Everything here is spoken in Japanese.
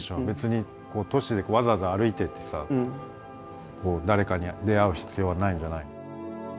別に都市でわざわざ歩いてってさ誰かに出会う必要はないんじゃないの？